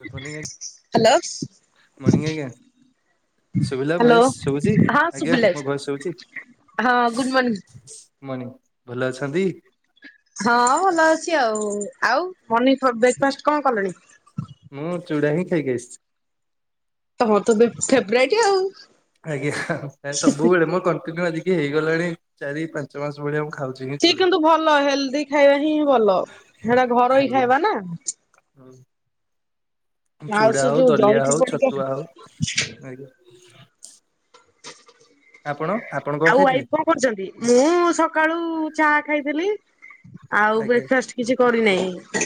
[unintelligible] Hello. ମନିଂ ଆଜ୍ଞା। ଶୁଭିଲା ହ୍ୟାଲୋ ଭୟସ ଶୁଭୁଚି ହଁ ଆଜ୍ଞା ଶୁଭିଲା ମୋ ଭୟସ ଶୁଭୁଚି? ହଁ ଗୁଡ଼୍ ମୋର୍ନିଂ। ମର୍ନିଙ୍ଗ ଭଲ ଅଛନ୍ତି? ହଁ ଭଲ ଆଉ ଆଉ [unintelligible] ବ୍ରେକ୍ଫାଷ୍ଟ କଣ କଲେଣି? ମୁଁ ଚୁଡ଼ା ହିଁ ଖାଇକି ଆସଚି। ହ ହଁ ତ ଭ ଫେବରାଇଟ ଆଉ। ଆଜ୍ଞା ସବୁବେଳେ ମୋ କଣ୍ଟିନ୍ୟୁ ଆଜିକି ହେଇଗଲାଣି ଚାରି ପାଞ୍ଚ ମାସ ଭଳିଆ ମୁଁ ଖାଉଚି। ସିଏ କିନ୍ତୁ ଭଲ ହେଲ୍ଦି ଖାଇବା ହିଁ ହିଁ ଭଲ ସେଟା ଘର ହିଁ ଖାଇବା ନା। ହୁଁ। ଆଉ ସେ ଯୋଉ ଦଲିଆ ଜଳି ଖିଆ ହଉ ଫଳିକିଆ ଛତୁଆ ହଉ ଖିଆ ଆଜ୍ଞା। ଆପଣ? ଆପଣ କଣ ଆଉ ଖାଇଥିଲେ? ୱାଇଫ କଣ କରୁଚନ୍ତି ମୁଁ ସକାଳୁ ଚାହା ଖାଇଥିଲି। ଆଉ ବ୍ରେକ୍ଫାଷ୍ଟ କିଛି କରିନାହିଁ।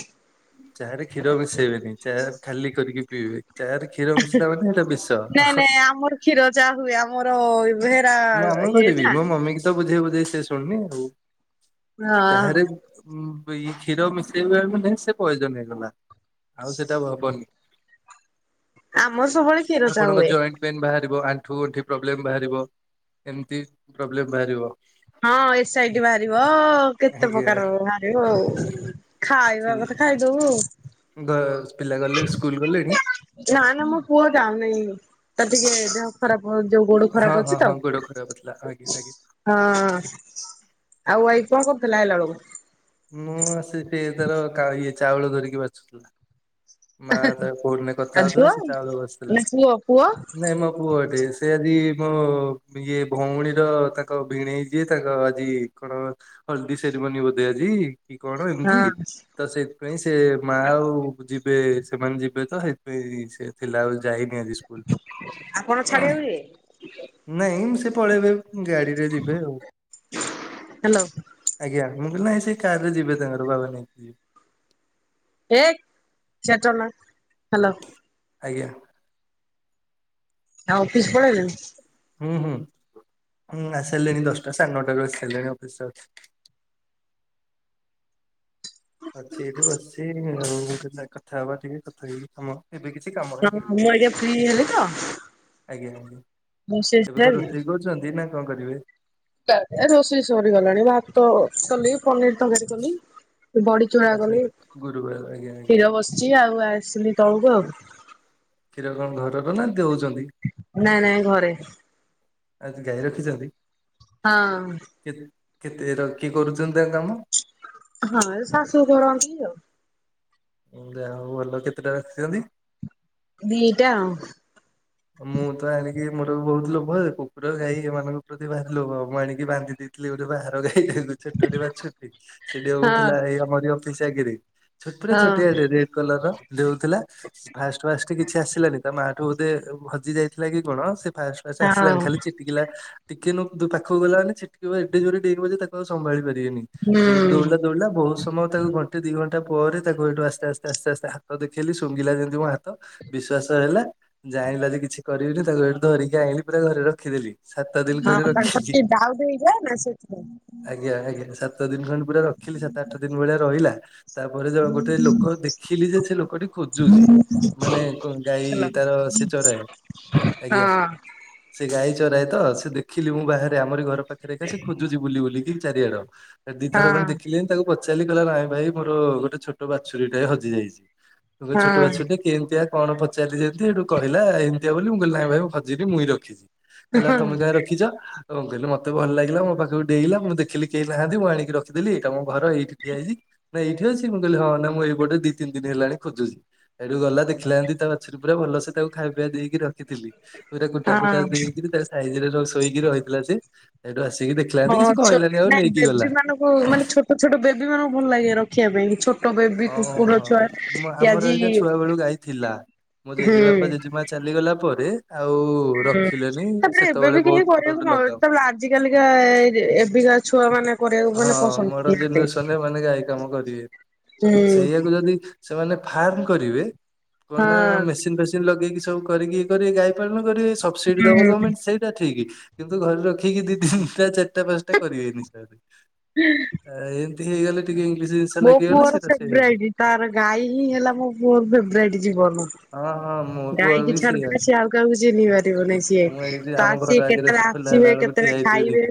ଚାରେ କ୍ଷୀର ବସେଇବେନି ଚାହା ଖାଲି କରିକି ପିଇବେ। ଚାରେ କ୍ଷୀର ମିଶିଲା ମାନେ ଏଇଟା ବିଷ। ନାଇଁ ନାଇଁ ଆମର କ୍ଷୀର ଚା ହୁଏ ଆମର ବେହେରା ମୁଁ ଆମ ଇଏ ଘରେ ବି ନା। ମୋ ମମି କି ତ ବୁଝେଇ ବୁଝେଇ ସେ ଶୁଣୁନି ଆଉ। ହଁ ଚାହା ରେ ବି ଉଇ କ୍ଷୀର ମିଶେଇବା ମାନେ ସେ ପଇଜନ ହେଇଗଲା ଆଉ ସେଟା ହବନି। ଆମର ସବୁବେଳେ କ୍ଷୀର ଚା ହୁଏ। ପେନ ବାହାରିବ ଆଣ୍ଠୁଗଣ୍ଠି ପ୍ରୋବ୍ଲେମ ବାହାରିବ। ଏମିତି ପ୍ରୋବ୍ଲେମ ବାହାରିବ। ହଁ ଏସ ଆଇ ଟି ବାହାରିବ କେତେ ଆଜ୍ଞା ପ୍ରକାର ବାହାରିବ ଆଉ ଠିକ। ଖାଇବା କଥା ଖାଇଦଉ ଆଉ। ପିଲା ଗଲେ ସ୍କୁଲ ଗଲେଣି? ନା ନା ମୋ ପୁଅ ଯାଉନେଇଁ ତା ଟିକେ ଦେହ ଖରାପ ଯୋଉ ଗୋଡ ହଁ ଖରାପ ହଁ ଅଛି ତ। ହଁ ଗୋଡ ଖରାପ ଥିଲା ଆଜ୍ଞା ଆଜ୍ଞା। ହଁ ଆଉ ୱାଇଫ କଣ କରୁଥିଲା ଅଇଲା ବେଳକୁ? ମୁଁ ଆସି କି ଏ ତାର କା ଇଏ ଚାଉଳ ଧରିକି ବାଛୁଥିଲା। ମା ତ କୋଉଠିନ କଥା ଆଉ ହଉଥିଲା ଝୁଅ ସେ ଚାଉଳ ବଛୁଥିଲା। ନା ପୁଅ ପୁଅ ନାଇଁ ମୋ ପୁଅ ଟିଏ ସେ ଆଜି ମୋ ଇଏ ଭଉଣୀର ତାଙ୍କ ଭିଣେଇ ଯିଏ ତାଙ୍କ ଆଜି କଣ ହଳଦୀ ସେରିମନି ବୋଧେ ଆଜି କି କଣ ଏମିତି ହଁ ତ ସେଥିପାଇଁ ସେ ମା ଆଉ ଯ ସେମାନେ ଯିବେ ତ ସେଥିାଇଁ ସେ ଥିଲା ଆଉ ଯାଇନି ଆଜି ସ୍କୁଲ। ଆପଣ ଛାଡିବାକୁ ଯିବେ ନାଇଁ ସେ ପଳେଇବେ ଗାଡିରେ ଯିବେ ଆଉ। ହ୍ୟାଲୋ ଆଜ୍ଞା ମୁଁ କହିଲ ନାଇଁ ସେ କାରରେ ଯିବେ ତାଙ୍କର ବାବା ନେଇକି ଯିବେ। ଏଇ ସିଆଡେ ଚଢ଼ନା। ହ୍ୟାଲୋ। ଆଜ୍ଞା। ଆଉ ଅଫିସ ପଲେଇଲଣି? ହୁଁ ହୁଁ ହଁ ଆସି ସାରିଲିଣି ଦଶଟା ସାଢ଼େ ନଅଟାରୁ ଆସି ସାରିଲେଣି ଅଫିସରେ ଅଛି। ଅଛି ଏଇଠି ବସିଛି ଆଉ [unintelligible] କଥା ହବା ଟିକେ କଥା ହେଇକି କାମ ଏବେ କିଛି କାମ ହିଁ ହଁ ନାହିଁ ହଁ ମୁଁ ଏବେ ଫ୍ରି ହେଲିତ ଆଜ୍ଞା। ଏବେ କଣ ସରିଲାଣି? ରୋଷେଇ କରୁଛନ୍ତି ନା କଣ କରିବେ? [unintelligible] ରୋଷେଇ ସରିଗଲାଣି ଭାତ କଲି, ପନିର ତରକାରୀ କଲି, ବଡ଼ିଚୁରା ଆଚ୍ଛା କଲି, ଗୁରୁବାର ଆଜ୍ଞା ଆଜ୍ଞା। କ୍ଷୀର ବସ ଇଛି ଆଉ ଆସଲି ତଳକୁ ଆଉ। କ୍ଷୀର କଣ ଘର ର ନା ଦେଉଛନ୍ତି? ନାଇଁ ନାଇଁ ଘରେ। ଆଚ୍ଛା ଗାଈ ରଖିଛନ୍ତି? ହଁ। କେତେ କେତେର କିଏ କରୁଛନ୍ତି ତା କାମ? ହଁ ଏ ଶାଶୁ କରନ୍ତି ଆଉ। ଓ ଯାହା ହଉ ଭଲ। କେତେଟା ରଖିଛନ୍ତି? ଦିଇଟା ଆଉ। ମୁଁ ତ ଆଣିକି ମୋର ବହୁତ ଲୋଭ। କୁକୁର, ଗାଈ ଏମାନଙ୍କ ପ୍ରତି ଭାରି ଲୋଭ ମୁଁ ଆଣିକି ବାନ୍ଧି ଦେଇ ଥିଲି ଗୋଟେ ବାହାର ଗାଈ ଛୋଟଟେ ବାଛୁରିଟେ ସେ ଡେଉଁ ହଁ। ଥିଲା ଏଇ ଆମରି ଅଫିସ ଆଗିରେ ଛୋଟ ପୁରା ହଁ ଛୋଟିଆଟେ ରେଡ କଲର ର। ଡେଉଁଥିଲା। ଫାଷ୍ଟ ଫାଷ୍ଟ [unintelligible] କିଛି ଆସିଲାନି, ତା ମା ଠୁ ବୋଧେ ହଜି ଯାଇଥିଲା କି କଣ? ସେ ଫାଷ୍ଟ ଫାଷ୍ଟ ଆସିଲାନି ହଁ ଖାଲି ଚି ଟିକିଲା। ଟିକେ ନୁଗ ତା ପାଖକୁ ଗଲା ମାନେ ଛିଟକିବ, ଏଡ଼େ ଜୋରରେ ଡେଇଁବ ଯେ ତାକୁ ଆଉ ସମ୍ଭଳି ପାରିବେନି। ହୁଁ ସେଇଠୁ ଦୌଡିଲା ଦୌଡିଲା ବହୁତ ସମୟ ତାକୁ ଘ ଣ୍ଟେ ଦି ଘଣ୍ଟା ପରେ ତାକୁ ଏଇଠୁ ଆସ୍ତେ ଆସ୍ତେ ଆସ୍ତେ ଆସ୍ତେ ହାତ ଦେଖେଇଲି ଶୁଙ୍ଗିଲା ଯେମିତି ମୋ ହାତ ବିଶ୍ଵାସ ହେଲା ଜାଇଁଲା ଯେ କିଛି କରିବିନି ତାକୁ ସେଠୁ ଧରିକି ଆଇଲି ପୁରା ଘରେ ରଖିଦେଲି। ସାତ ଦିନ ଖଣ୍ଡେ ହଁ ରଖିଲି। ତାଙ୍କର [inaudible] ଡାଉଟ ହେଇଥିଲା ନା ସେଥିପାଇଁ। ଆଜ୍ଞା ଆଜ୍ଞା, ସାତ ଦିନ ଖଣ୍ଡେ ପୁରା ରଖିଲି। ସାତ ଆଠ ଦିନ ଭଳିଆ ରହିଲା। ତାପରେ ଜଣେ ଗୋଟେ ଲୋକ ଦେଖିଲି ଯେ ସେ ଲୋକଟି ଖୋଜୁଛି। ମାନେ କଣ ଗାଈ ହେଲା ତାର ସେ ଚରାଏ। ଆଜ୍ଞା, ହଁ। ସେ ଗାଈ ଚରାଏ ତ। ସେ ଦେଖିଲି ମୁଁ ବାହାରେ ଆମରି ଘର ପାଖରେ ଖା ସେ ଖୋଜୁଛି ବୁଲି ବୁଲିକି ଚାରିଆଡ। ହଁ ଦିଥର ଖଣ୍ଡେ ଦେଖିଲି। ତାକୁ ପଚାରିଲି କହଲା ନାଇଁ ଭାଇ ମୋର ଗୋଟେ ଛୋଟ ବାଛୁରୀ ଟାଏ ହଜି ଯାଇଛି। [unintelligible] ଛୋଟ ହଁ ବାଛୁରୀ ଟେ କେମିତିଆ କଣ ପଚାରଲି ଯେମତି ସେଇଠୁ କହିଲା ଏମିତିଆ ବୋଲି ମୁଁ କହିଲି ନାଇ ଭାଇ ହଜିନି ମୁଇଁ ରଖିଛି। କହିଲା ତମେ କାହିଁ ରଖିଛ? ତ ମୁଁ କହିଲି ମତେ ଭଲ ଲାଗିଲା, ମୋ ପାଖକୁ ଡେଇଁଲା ମୁଁ ଦେଖିଲି କେହି ନାହାନ୍ତି ମୁଁ ଆଣିକି ରଖିଦେଲି। ଏଇଟା ମୋ ଘର ଏଇଠିି ଠିଆ ହେଇଛି। ନାଇଁ ଏଇଠି ଅଛି? ମୁଁ କହିଲି ହଁ, ନା ମୁଁ ଏଇପଟେ ଦି ତିନ ଦିନ ହେଲାଣି ଖୋଜୁଛି। ସେଇଠୁ ଗଲା ଦେଖିଲା ଯେମତି ତା ବାଛୁରୀ ପୁରା ଭଲସେ ତାକୁ ଖାଇବା ପିଇବା ଦେଇ ରଖିଥିଲି। ପୁରା କୁଟା ଫୁଟା ହଁ ଦେଇକିରି ତା ସାଇଜରେ ର ଶୋଇକି ରହିଥିଲା ସେ ସେଇଠୁ ଆସିକି ଦେଖିଲା ଯେମତି, ହଁ କିଛି ଛୋ କହିଲାନି ଆଉ ନାଇଁ ନେଇକି ବେବି ଗଲା। ମାନଙ୍କୁ ମାନେ ଛୋଟ ଛୋଟ ବେବୀ ମାନଙ୍କୁ ଭଲ ଲାଗେ ରଖିବା ପାଇଁ କି। ଛୋ ବେବି ଅଁ ହଁ କୁକୁର ହଁ ହଁ ଛୁଆ ହଁ। ମୁଁ ଆମର ଆଜି ଏଇକା ଛୁଆ ବେଳୁ ଗାଈ ଥିଲା। ମୋ ହୁଁ ଜେଜେବାପା ଜେଜେମା ଚାଲିଗଲା ପରେ ଆଉ ହୁଁ ରଖିଲେନି ତାପରେ ଏବେ ସେତେବେଳେ ବି ବହୁତ କେହି ମୋର ଗୋଟେ କରିବାକୁ ମ ଲଗାଉ ତାପରେ ଆ ଆଜି କାଲିକା ଏ ଏବିକା ଛୁଆ ମାନେ କରିବାକୁ ହଁ ମାନେ ପସନ୍ଦ ମଡର୍ଣ କରୁନାହାନ୍ତି। ଜେନେରେସନରେ ଏମାନେ ଗାଈ କାମ କରିବେନି। ହୁଁ। ସେଇଆକୁ ଯଦି ସେମାନେ ଫାର୍ମ କରିବେ। କଣ ନା ହଁ। ମେସିନ ଫେସିନ ଲଗେଇକି ସବୁ କରିକି କରିବେ ଗାଈ ପାଳନ କରିବେ। ସବସିଡି ଦବ ଗଭମେଣ୍ଟ ସେ ସେଟା ଠିକ। କିନ୍ତୁ ଘରେ ରଖିକି ଦି, ତିନିଟା, ଚାରିଟା, ପାଞ୍ଚଟା କରିବେନି ସାରେ। ହୁଁ ଏମିତି ହେଇଗଲେ ଟିକେ ଇଂଲିଶ ମୋ ଲାଗିଗଲେ ପୁଅର ସେଇଟା ସେ ହେବ ଫେବରାଇଟ ତାର ଗାଈ ହିଁ ହେଲା ମୋ ପୁଅର ଫେବରାଇଟ ଜୀବନ। ହଁ ହଁ ମୋ ପୁଅର ଗାଈକି ବି ସେଇଆ ଛାଡିଦେଲେ ସିଏ ଆଉ କାହାକୁ ଚିହ୍ନି ପାରିବନି। ସିଏ ମୁଁ ଏଇଠି ତ ଆମ ଘର ଆସେ ଆଗରେ କେତେବେଳେ ସେ ଖୋଲା ହେଲା ଆସିବେ କେତେ ବେଳକୁ ଠିଆ କେତେବେଳେ ହେଇଥିବେ ଖାଇବେ। ଦିଟା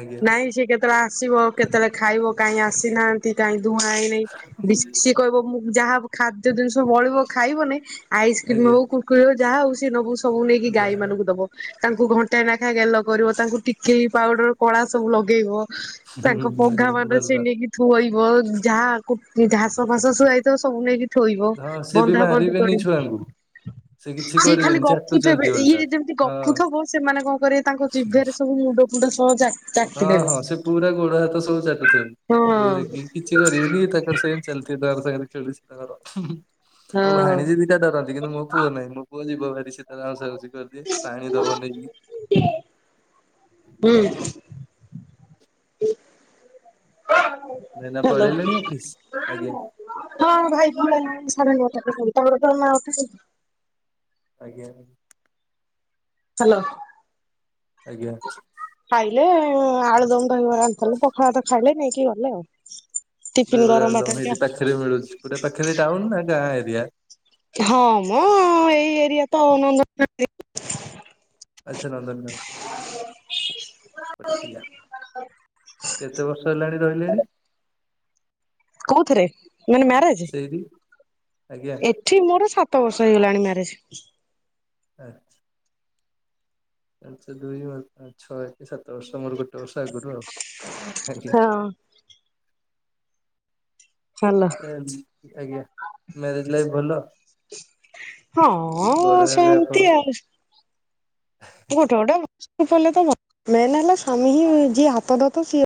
ଆଜ୍ଞା ନାଇଁ ସେ କେତେ କେତେବେଳେ ଆସିବ, କେତେବେଳେ ଖାଇବ, କାଇଁ ଆସିନାହାନ୍ତି, କାଇଁ ଦୁହାଁ ହେଇନି। କହିବ ମୁ ଯାହା ଖାଦ୍ୟ ଜିନିଷ ବଳିବ ଖାଇବନି ଆଇସ୍କ୍ରିମ ଆଜ୍ଞା। ହଉ କୁ ରକୁରି ଯାହା ହଉ। ସେ ନବ ସବୁ ନେଇକି ଗାଈ ଯାହା ମାନଙ୍କୁ ଦବ। ତାଙ୍କୁ ଘଣ୍ଟାଏ ନାଖା ଗେଲ କରିବ। ତାଙ୍କୁ ଟିକିଲି, ପାଉଡର କଳା ସବୁ ଲଗେଇବ। ତାଙ୍କ ପଘା ମାନ ସେ ଭଲ ନେଇକି ଥୁଆଇବ। ଯାହା ଘାସ ଫାସ ଶୁଆାଇଥିବ ସବୁ ନେଇକି ଥୋଇବ। ହଁ ସେ ବି ବନ୍ଧା ବନ୍ଧି ମାରିବେନି କରିବ। ଛୁଆଙ୍କୁ। ସେ କିଛି ସିଏ ଖାଲି କରିବେନି ଗପୁଥିବ ଚାଟୁଛନ୍ତି ଓଲଟା ଇଏ ଯେମିତି ହଁ ଗପୁଥିବ ସେମାନେ କଣ କରିବେ ତାଙ୍କ ଜିଭରେ ସବୁ ମୁଣ୍ଡ ମୁ ସଜା [unintelligible] ହଁ ହଁ, ସେ ପୁରା ଗୋଡ ହାତ ସବୁ ଚାଟୁ ଥିବେ, ହଁ ଦେଖିକି କିଛି ଛି, [unintelligible] ତାଙ୍କର ସେ ଚାଲି ତର ସାଙ୍ଗରେୁର ହଁ ମୋ ଭାଣିଜୀ ସେଇଟା ଡରନ୍ତି। କିନ୍ତୁ ମୋ ପୁଅ ନାହିଁ ମୋ ପୁଅ ଯିବ ଭାରି ସେ ତାର ଆଉଁସା ଆଉଁସି କରିଦିଏ। ପାଣି ଦବ ନେଇକି। ହୁଁ। ଏଇନା ହ୍ୟାଲୋ। ପଳେଇଲେଣି ଅଫିସ? ଆଜ୍ଞା। ହଁ ଭାଇ ଭ ସାର ନଅଟମର ତ ମାଠ [unintelligible] ଆଜ୍ଞା। ହାଲୋ। ଆଜ୍ଞା। ଖାଇଲେ ଆଳୁ ଦମ, ଦହିବରା ଆଣିଥିଲେ। ପଖାଳ ତ ଖାଇଲେ ନେଇକି ଗଲେ ଆଉ। ଟିଫିନ ଦହବରା, ଗରମ ଭାତ ଆଳୁଦମ ହେରିକା ହେଇଠି ପାଖରେ ମିଳୁଛି, ପୁରା ପାଖରେ ଟାଉନ ନା ଗାଁ ଏରିଆ? ହଁ, ମଁ ଏଇ ଏରିଆ ତ ଆଜିନନ୍ଦ ପଠଆ [unintelligible] କେତେ ବର୍ଷ ହେଲାଣି ରହିଲେଣି? କୋଉଥିରେ, ମାନେ ମ୍ୟାରେଜ? ସେଇଠି? ଆଜ୍ଞା ଏଠି ମୋର ସାତ ବର୍ଷ ହେଇଗଲାଣି ମ୍ୟାରେଜ। ଆଚ୍ଛା। ଆଚ୍ଛା। ଦୁଇ, ଛଅ, ସାତ ବର୍ଷ ମୋର ଗୋଟେ ବର୍ଷ ଆଗରୁ ଆଉ। ଆଗେ ହଁ ଚାଲ ଆଜ୍ଞା, ମ୍ୟାରେଜ ଲାଇଫ ଭଲ? ହଁ, ବଡ ହେବେ ଆପଣ ସେମତି ଆଉ। ଗୋଟେ ଗୋଟେଲେ ତ ମେନ୍ ହେଲା ସଵାମୀ ହି ଯିଏ ହାତଟାତ ସିଏ [unintelligible]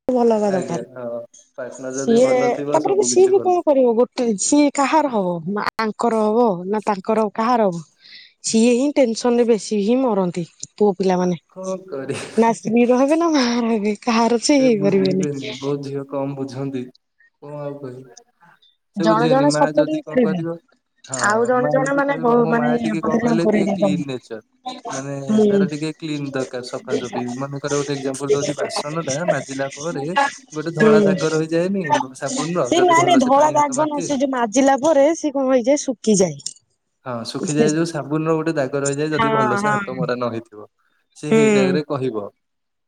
ଦରକାର। ଆଜ୍ଞା, ହଁ। ପାର୍ଟନର ଯଦି ସିଏ ଭଲ ଥିବ ତାପରେ କି ସବୁ ସିଏ କିଛି ବି ଭଲ କଣ କରିବ? ଗୋଟେ ସିଏ କାହାର ହବ? ମା ତାଙ୍କର ହବ ନା ତାଙ୍କର କାହାର ହବ, ସିଏ ହିଁ ଟେନସନ ରେ ବେଶୀ ହିଁ ମରନ୍ତି। ପୁଅ ପିଲାମାନେ କଣ ନା କରିବି ସ୍ତ୍ରୀର ହେବେ ନା ମାର ହେବେ। କାହାର ସେ ହେଇପାରିବେନି। ବୁଝିବେନି ବହୁତ ଝିଅ କମ ବୁଝନ୍ତି, କଣ ଆଉ କହିବି? ସେ ଜଣେ ବୁଝିବେନି ଜଣେ ମା ସପୋର୍ଟ ଯଦି ହିଁ କଣ କରିବେ। କରିବ ହଁ, ଆଉ ଜଣେ ମା ଜଣେ ହେ ମାନେ କହିବ ବହୁ ମୋ ମା ମାନେ ଏତିକି କଣ ହଇରାଣ କହିଲେ କରେଇ ଟିକେ ଦେଇଛନ୍ତି କ୍ଲିନ ନେଚର। ମାନେ ହୁଁ ତାର ଟିକେ କ୍ଲିନ ଦରକାର ସଫାସଫି। ମନେକର ଗୋଟେ ଏକଜାମ୍ପୁଲ ଦଉଛି ବାସନ [inaudible] ମାଜିଲା ପରେ ଗୋଟେ ଧଳା ହୁଁ। ଧାଗ ରହିଯାଏନି ସାବୁନ ର ସେ ଯଦି ନାଇଁ ନାଇଁ ଭଲସେ ଧଳା ପାଣି ଦାଗ ହାତ ନା ମାରିଥିବେ। ସେ ଯୋଉ ମାଜିଲା ପରେ ସେ କଣ ହେଇଯାଏ ଶୁଖିଯାଏ। ହଁ ଶୁଖିଯାଏ ଯୋଉ ସାବୁନ ର ଗୋଟେ ଦାଗ ରହିଯାଏ ହଁ ଯଦି ଭଲସେ ହଁ ହାତ ମରା ନ ହେଇଥିବ। ସେ ହୁଁ। ସେଇଟାରେ କହିବ।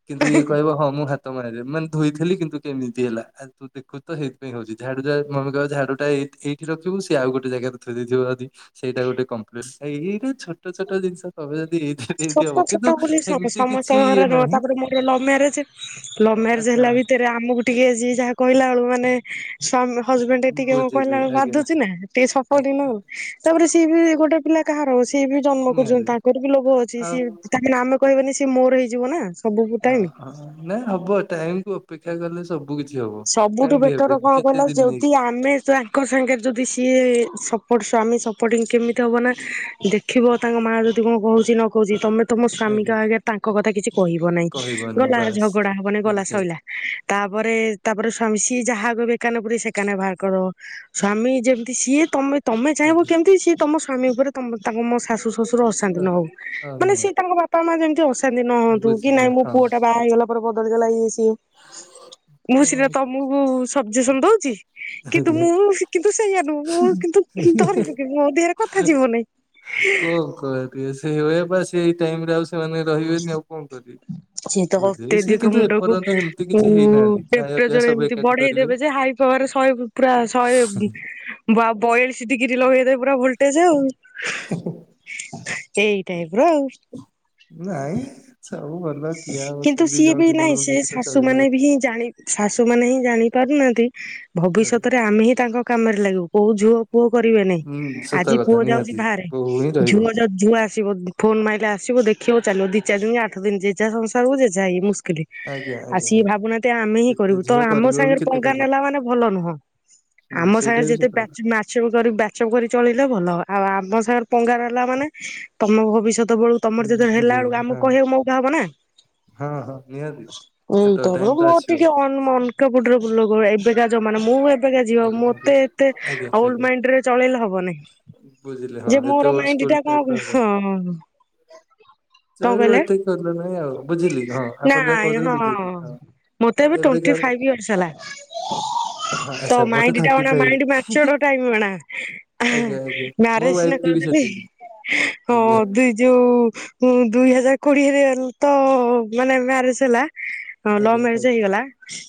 କିନ୍ତୁ ଇଏ କହିବ ହଁ ମୁଁ ହ ତ ମରାଯାଏ। ମାନେ ଧୋଇଥିଲି କିନ୍ତୁ କେମିତି ହେଲା। ତୁ ଦେଖୁଚୁ ତ ସେଇଥିପାଇଁ ହଉଛି। ଝାଡୁ ଟା ମମି କହିବ ଝାଡୁଟା ଏଇ ଏଇଠି ରଖିବୁ ସିଏ ଆଉ ଗୋଟେ ଯାଗାରେ ଥୋଇ ଦେଇଥିବ ଯଦି। ସେଇଟା ଗୋଟେ କଂପ୍ଳେନ୍। ଏଇଟା ଛୋଟ, ଛୋଟ ଜିନିଷ ତମେ ଯଦି ଏଇଠି ହବ ଛୋଟ କିନ୍ତୁ ଛୋଟ ବୋଲି ସମ ସେମିତି କିଛି ସମସ୍ତଙ୍କ ଘରେ ଇଏ ନୁହଁ। ନାହିଁ ତାପରେ ମୋର ଲଭ ମ୍ୟାରେଜ। ଲଭ ମ୍ୟାରେଜ ଆଚ୍ଛା ହେଲା ଭିତରେ ଦେ ଆମକୁ ଟିକେ ଯିଏ ଯାହା କହିଲା ବେଳକୁ ମାନେ ସମ୍ ହଜବେଣ୍ଡ ଟିକେ କଣ ବୁଝିଲି କହିଲାବେଳକୁ ଆଜ୍ଞା ବାଧୁଚି ନା। ଆଜ୍ଞା ଆଜ୍ଞା ଟିକେ [unintelligible] ତାପରେ ସିଏ ବି ଗୋଟେ ପିଲା କାହାର ହବ। ସିଏ ବି ଜନ୍ମ କରିଚନ୍ତି। ନିହାତି ତାଙ୍କର ବି ଲୋଭ ଅଛି। ଆଉ ସିଏ କାହିଁକି ନା ଆମେ କହିବାନି ସିଏ ମୋର ହେଇଯିବ ନା? ସବୁ ଓ ଟାଇମ୍ ହୋ। ନାଇଁ ହବ ଟାଇମ୍ କୁ ଅପେକ୍ଷା କଲେ ସବୁ କିଛି ହବ ସବୁଠୁ କାହିଁକି ବେଟର ହେବେନି କଣ କେତେ କହିଲ? ଦିନ ଯଦି ନେଇକି ଆମେ ଯା ତାଙ୍କ ସାଙ୍ଗରେ ଯଦି ସିଏ ସପୋର୍ଟ ମ୍ଧାମୀ ସପୋର୍ଟିଂ ଥିବେ ହବ ନା। ଦେଖ୍ ଦେଖିବ ତାଙ୍କ ମାଆ ଯଦି କଣ କହୁଛି ନ କହୁଛି ତମେ ତମ ସ୍ଵାମୀଙ୍କ ଆଜ୍ଞା ଆଗରେ ତାଙ୍କ କଥା କିଛି କହିବ ନାହିଁ। କହିବନି ଗଲା ବାସ୍ ଝଗଡା ହବନି ଗଲା ଏକ୍ଜାକ୍ଟ ଶଇଲା। ତା ପରେ ତା ପରେ ସ୍ଵମୀ ସିଏ ଯାହା, କହିବେ ଏ କାନେ ପୁରାଇ ସେ କାନରେ ବାହାର କରିଦବ। ସ୍ଵମୀ ଯେମିତି ସିଏ ତମେ ତମେ ଚାହିଁବ ଆଜ୍ଞା କେମିତି ସିଏ ତମ ସ୍ୱାମୀ ଉପରେ ତମ ତମ ଶାଶୁ ଶାଶୁ, ଶଶୁର ଅଶାନ୍ତି ନ ହଉ, ମାନେ ହଁ ସିଏ ତାଙ୍କ ବାପା ମା ଯେମିତି ଅଶାନ୍ତି ନ ହୁହନ୍ତୁ, କି ବୁଝିଲେ ନାଇଁ ମୋ ପୁଅ ଟା ବାହା ହେଇଗଲା ପରେ ବଦଳି ଗଲା ଇଏ ସିଏ। ହ୍ନାଗ୍ର୍। ମୁଁ ସିନା ତମୁକୁ ସଜେସନ ଦଉଚି। କିନ୍ତୁ ହେଲେ ମୁଁ କିନ୍ତୁ ସେଇଆା ନୁହଁ। ମୁଁ କିନ୍ତୁ ଧରି ପକେଇବି ମୋ ଦେହରେ କଥା ଯିବନି। କୋ କରିବେ। [unintelligible] ସେଇ ଟାଇମ୍ ରେ ଆଉ ସେମାନେ ରହିବେନି ଆଉ କଣ କରିବେ? ସେ ତ ବୁଝେଇ ସେ ଅତ୍ୟଧିକ କିନ୍ତୁ ମୁଣ୍ଡକୁ ଏପର୍ଯ୍ୟନ୍ତ ଏମିତି ଉଁ କିଛି ହେଇନାହାନ୍ତି ଖାଇବା ପିଇବା ଟେମ୍ପରେଚର ସବୁ ଏମିତି ଏକାଠି ବଢେଇ କରିବେ। ଦେବେ ଯେ ହାଇ ଶହେରେ ଶହେ ପୁରା ଶହେ ବ୍ ବା ବଇଆଳିଶି ଡିଗିରି ଲଗେଇ ଦେବେ ପୁରା ଭୋଲ୍ ଟେ ଯେ ଆଉ। ଏଇ ଟାଇପ୍ ର ଆଉ। ନାଇଁ ସବୁ ଭଲ। କିଏ ଆଉ ଦି ଜଣ, ଦି ଜଣଙ୍କ ଭିତରେ ଚଳିବେ ନା। କିଏ ଜାଣେ- ଶାଶୁ ମାନେ ହିଁ ଜାଣି ପାରୁନାହାନ୍ତି, ଆଜ୍ଞା। ଭବିଷ୍ୟତରେ ଆମେ ହିଁ ତାଙ୍କ କାମରେ ଲାଗିବୁ। କୋଉ ଝୁଅ, ପୁଅ କରିବେ ନାଇଁ। ହୁଁ ସତ ଆଜି କଥା ପୁଅ ଯାଉଛି ନିହାତି ବାହାରେ। ବୋହୂ ହିଁ ରହିବ ଝୁଅ ଯ ଝୁଅ ଆସି ଆସିବ। ଫୋନ ମାଇଲେ ଆସିବ ଦେଖିବ ଚାଲିଜିବ। ଦି, ଚାରି ଦିନି, ଆଠ ଦିନି, ଜେଝା ସଂସାରକୁ ଜେଝା ହେଇ ମୁସ୍କିଲ। ଆଜ୍ଞା ଆଉ ଆଜ୍ଞା ସିଏ ଆଜ୍ଞା। ଭାବୁନାହାନ୍ତି ଆମେ ହିଁ କେତେ କରିବୁ ତ ଝିଅ ଆମ କରିବ ବି ସାଙ୍ଗରେ କେତେ ପଙ୍ଗା କରିବ ନେଲା ମାନେ ଭଲ ନୁହଁ। ହୁଁ ଆମ ସେଇଟା ସାଙ୍ଗରେ ବି ଯେତେ ସତ କଥା ପାଚ୍ ମାଛୋ୍ କରିବୁ ବାଟ୍। ସବୁ କରି ଚଳିଲେ ଭଲ ହବ। ଆଉ ଆମ ସାଙ୍ଗରେ ପଙ୍ଗା ନେଲା ମାନେ ତମ ଭବିଷ୍ୟତ ବେଳୁକୁ ତମର ବୁଝି- ଯେତେ ହେଲା ବୁଝେଇ ବେଳକୁ ହଁ। ଆମକୁ କହିବାକୁ ମୋଉକା ହବ ନା। ହଁ ହଁ ନିହାତି। ସେତବେଳେ ଟାଇମ୍ ତ ଆସିବ। ମୁଁ ମନକା ପୁଟୋର ବୁଡଲୋକ ଏବେକା ଜୋ ମାନେ ମୁଁ ଏବ୍। ଏବେକା ଝିଅ। ଆଜ୍ଞା ଆଜ୍ଞା ମୋତେ ଏତେ ଆଜ୍ଞା ଆଜ୍ଞା। ଓଲ୍ଡ ମାଇଁଡ୍ ରେ ଚଳେଇଲେ ହବ ବୁଝିଲି ନାହିଁ। ହଁ ଯେ ଏତେ ମୋର ଓଲ୍ଡ ମାଇଣ୍ଡି ସ୍କୁଲ ଟା ଟାଇପ ର କଁ ହବନି। ହଁ ଚଳିବ କହିଲେ ଏତିକି କରିବା ପାଇଁ ଆଉ। ବୁଝିଲେ? ହଁ ଆପଣ ଯାହା କହିଦେବେ ବୁଝିଦେବି। ହଁ। ମୋତେ ଏବେ ଟୋଣ୍ଟି ଏବେକା ଫାଇପ୍ ୟର୍ସ ହେଲା। ହଁ ଆଚ୍ଛା [inaudible] ମତେ ମାଇଣ୍ଡ ଟା ଥାର୍ଟି ଅଣା ଫାଇଭ ମାଇଣ୍ଡି ମ୍ୟାଚିଡେ ଟାଇମ୍ ଅଣା ହଂ ଆଜ୍ଞା ଆଜ୍ଞା ମୋ ମ୍ୟାରେଜ ୱାଇଫ ସିନା କି ବି କରିଦେଲି। ସେତିକି। ହଁ ଆଜ୍ଞା ଦୁଇ। ଓଃ ଯୋଉ ଦୁଇ ହଜାର କୋଡିଏରେ ତ ମାନେ ମ୍ୟାରେଜ ହେଲା। ହଁ ଲଭ ଆଜ୍ଞା ମ୍ୟାରେଜ ଆଜ୍ଞା ହେଇଗଲା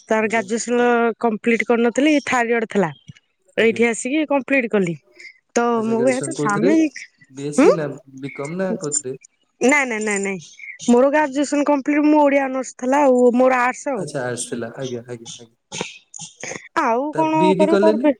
ତା ପରେ ଆଜ୍ଞା ଗ୍ରାଜୁଏସନ କମ୍ପ୍ଲିଟ କରିନଥିଲି, ଥାଡୟର ଥିଲା। ଆଜ୍ଞା ଏଇଠି ଆସିକି କମ୍ପ୍ଲିଟ୍ କଲି। ତ ଆଚ୍ଛା ମୁଁ ଏ ଗ୍ରାଜୁଏସନ ହାତ୍ କୋଉଥିରେ? ସ୍ୱାମୀ ବି ଏସ୍ ଉଁ। ସି ନା ବି କମ୍ ନା କୋଉଥିରେ ନାଇଁ ନାଇଁ ନାଇଁ ନାଇଁ ମୋର ଗ୍ରାଜୁଏସ କମ୍ପିଟ୍ ମୋର ଓଡିଆ ଅନର୍ସ ଥିଲା ଆଉ। ମୋର ଆଡ୍ସ୍ ଆଉ ଆଚ୍ଛା ଆର୍ଟସ ଥିଲା ଆଜ୍ଞା ଆଜ୍ଞା ଆଜ୍ଞା। ଝନ୍, ଝନ୍ ଆଉ ତା କଣ ବି ଇ ଡି କରିବି ତାପରେ କଲେନି? ପି।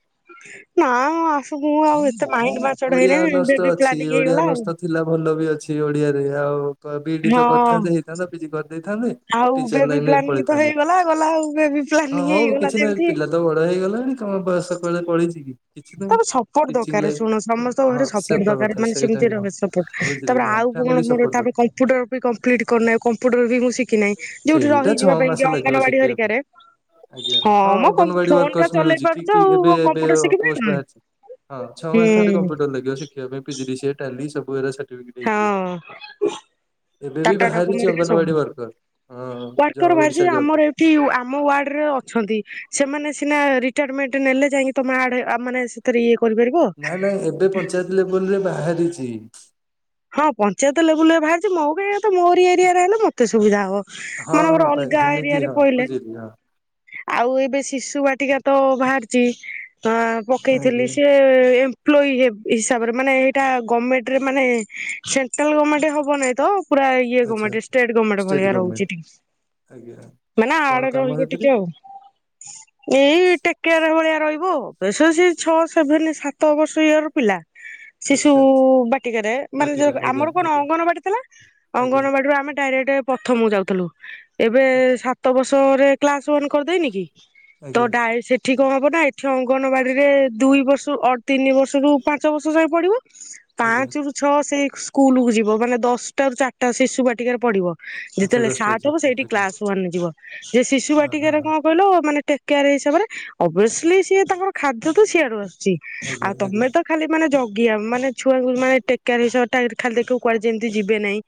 ନା ଆସ ମୁୁଁ ଆଉ ଏତେ ମାଇଁଡ୍ ମେଚର ଓଡିଆ ହେଇନି ଅନର୍ସ ତ ଏମଡି ପ୍ଲା ଅଛି ଟିକେ ଓଡିଆ ହେଇଗଲା ଆଉ। ଅନର୍ସ ତ ଥିଲା ଭଲ ବି ଅଛି ଓଡିଆରେ ଆଉ ବିଇଡି ତ ହଁ କରିଥାନ୍ତେ ହେଇଥାନ୍ତା ପିଜି କରିଦେଇଥାନ୍ତେ। ଆଉ ଟିଚର ବେବି ଲାଇନରେ ପ୍ଲାନିଂ ତ ପଳେଇଥାନ୍ତେ ହେଇଗଲା ଗଲା ଆଉ ବେବି ହିଁ ହଁ ପ୍ଲାନି ହଉ ହେଇଗଲା କିଛି ନାହିଁ ଯେମିତି। ପିଲା ତ ବଡ ହେଇଗଲାଣି ତମ ବୟସ କୁଆଡେ ପଳେଇଛି କି? କିଛି ତା ନାହିଁ। ପରେ ସପର୍ଟ ଟିଚିଂ ଦରକାର ଲାଇଫ ଶୁଣ ସମସ୍ତ। ହଁ ଘରେ ସପୋର୍ଟ ସତ ଦରକାର କଥା ମାନେ ସେଇଟା ବି ହଁ ସେମିତିପୋର୍ଟ ବୁଝିଲି ତାପରେ ହଁ ଆଉ କଣ ଫ୍ୟାମିଲି ମୋର ସପୋର୍ଟ ତାପରେ ଦରକାର। କମ୍ପ୍ୟୁଟର କମ୍ପିଟ୍ କରୁନାହି କମ୍ପୁଟର ବି ମୁଁ ଶିଖିନାହିଁ ଯୋଉଠି ସେଇଟା ଛଅ ରହିଯିବା ପାଇଁ ମାସ ଲାଗିବ ଅଙ୍ଗନବାଡି ଶିଖିବା ପାଇଁ ହରିକାରେ। ଆଜ୍ଞା ହଁ ମ ଅଙ୍ଗନବାଡି ଫୋନ ଟା ୱର୍କର୍ସ ଚଲେଇ ମିଳୁଛି ପାରୁଛ ଠିକ ଆଉ ଠିକ ଏବେ ଏବେ କମ୍ପ୍ୟୁଟର ଶିଖିପାରିବନି। ମାଚ୍ଚ୍ଚ ଛ ମାସ ଖଣ୍ଡେ ହୁଁ କମ୍ପୁଟର ଲାଗିବ ଶିଖିବା ପାଇଁ PG D C A Tally certificate. ହଁ ଏବେ ବି ବାହାରିଛି ଟାଟାଡକମେଟ ସବୁ ଅଙ୍ଗନବାଡି ୱାର୍କର ହଁ ଯୋଉ ଉଆର୍କାର ଓଡିଶା ବାହିରିଛି ଜବ ରେ। ଆମର ଏ ଆମ ୱାର୍ଡ ରେ ଅଛନ୍ତି ସେମାନେ ସିନା ରିଟାଟମେଣ୍ଟ ନେଲେ ଯାଇକି ତମେ ଆଡ ମାନେ ଥିରେ କରିପାରିବେ। ତାହେଲେ ଏବେ ପଞ୍ଚାୟତରେ ଲେଭେଲ୍ ରେ ବାହାରିଛି। ହଁ ପଞ୍ଚାୟତ ଲେବୁଲ ରେ ବାହାରିଛି ମୋ ପାଇଁ ତ ମୋରି ଏରିଆରେ ହେଲେ ମତେ ସୁବିଧା ହବ। ହଁ ହଁ ମନେକର ମୋର ପା- ଅଲଗା ଏରିଆ ଏମିତି ରେ ହଁ ପହିଲେ। ବୁଝିଲି ହଁ ଆଉ ଏବେ ଶିଶୁ ବାଟିକା ତ ବାହାରିଛି ଅ ପକେଇଥିଲି ଆଜ୍ଞା ସେ ଏମ୍ପ୍ଲୟୀ ହିସାବରେ ମାନେ ଏଇଟା ଗମେଣ୍ଟରେ ମାନେ ସେଣ୍ଟ୍ରାଲ ଗମେଣ୍ଟ ହବ ନାଇଁ ତ ପୁରା ଇଏ ଆଚ୍ଛା। ଗମେଣ୍ଟଟ୍ ଷ୍ଟେଟ ଭଳିଆ ରହୁଛିି ଟିକେ। ଆଜ୍ଞା! ମାନେ କଣ ଆଡେ କାମ ରହିବ ସେଥିରେ ଟିକେ ଆଉ। ଏଇ ଟେକେଆରେ ଭଳିଆ ରହିବ ବସ ସେ ଛଅଶହ ସାତ ବର୍ଷ ଇଅର ପିଲା ଶିଶୁ ଆଚ୍ଛା ବାଟିକାରେ। ମାନେ ବାଟିକା ଆଜ୍ଞା ଆମର କଣ ଆଜ୍ଞା ଅଙ୍ଗନବାଡି ଥିଲା। ଆଜ୍ଞା ଅଙ୍ଗନବାଡିରୁ ଆମେ ଡାଇରେକ୍ଟ ପ୍ରଥମକୁ ଯାଉଥିଲୁ ଏବେ ଆଚ୍ଛା ସାତ ବର୍ଷରେ କ୍ଲାସ ୱାନ୍ କରିଦେନି କି ତ ଆଜ୍ଞା ଡା ଏଠି କଣ ହବ ନା ଏଠି ଅଙ୍ଗନବାଡି ରେ ଦୁଇ ବର୍ଷ ତିନି ବର୍ଷରୁ ପାଞ୍ଚ ବର୍ଷ ଯାଏ ପଡିବ। ଆଜ୍ଞା ପାଞ୍ଚ ରୁ ଛଅ ସେଇ ସ୍କୁଲକୁୁ ଯିବ ମାନେ ଦଶଟା ରୁ ଚାରିଟା ଶିଶୁ ବାଟିକାରେ ପଢିବ। ଆଚ୍ଛା ଯେତେବେଳେ ଦଶଟା ସାତ ହବ ଚାରିଟା ସେଇଠି ଆଜ୍ଞା କ୍ଲାସ ୱାନ ଯିବ ଯେ ଶିଶୁ ହଁ ହଁ ବାଟିକାରେ ହଁ କଣ? କହିଲ ମାନେ ଟେକକଆର ହିସାବରେ ଓବିଅସ୍ଲି ସିଏ ତାଙ୍କର ଖାଦ୍ୟ ତୁ ସିଆଡୁ ଆସୁଛି। ଆଜ୍ଞା ଆଉ ଆଜ୍ଞା ତମେ ତ ଖାଲି ମାନେ ଜଗିଆ ମାନେ ଛୁଆକୁ ମାନେ ଟେକେକ୍ୟାର ଟା ଖାଲି ଦେଖ କୁଆଡେ ଯେମିତି ଯିବେ ନାହିଁ।